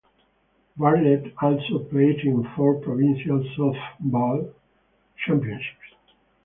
Bartlett also played in four provincial softball championships.